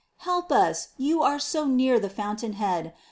Help us, you are so near the fountain head